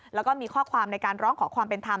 แล้วก็มีข้อความในการร้องขอความเป็นธรรม